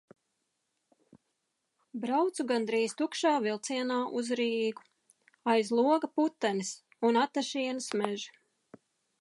Braucu gandrīz tukšā vilcienā uz Rīgu. Aiz loga putenis un Atašienes meži.